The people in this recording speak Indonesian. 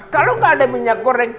kalo gak ada minyak goreng